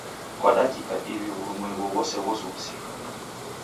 Kwa dakika iw'I w'urumwengu ghose ghosughusika.